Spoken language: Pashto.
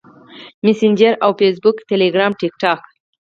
- Facebook، Telegram، TikTok او Messenger